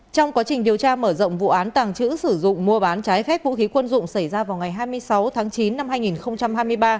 trong quá trình điều tra mở rộng vụ án tàng trữ sử dụng mua bán trái phép vũ khí quân dụng xảy ra vào ngày hai mươi sáu tháng chín năm hai nghìn hai mươi ba